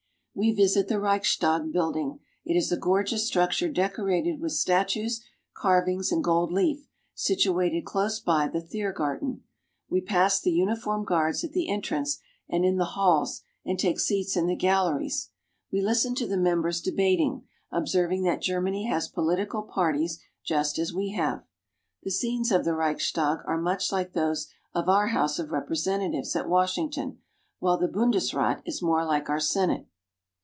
We visit the Reichstag building. It is a gorgeous struc ture decorated with statues, carvings, and gold leaf, situated close by the Thiergarten. We pass the uniformed guards at the entrance and in the halls, and take seats in the galleries ; we listen to the members debating, observing that Germany has political parties just as we have. The 2l8 GERMANY. scenes of the Reichstag are much like those of our House of Representatives at Washington, while the Bundesrat is more like our Senate.